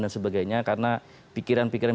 dan sebagainya karena pikiran pikiran